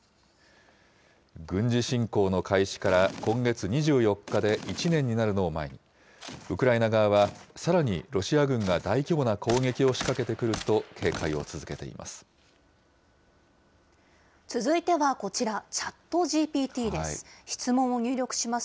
軍事侵攻の開始から今月２４日で１年になるのを前に、ウクライナ側はさらにロシア軍が大規模な攻撃を仕掛けてくると警続いてはこちら、ＣｈａｔＧＰＴです。